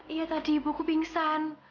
iya tadi ibuku pingsan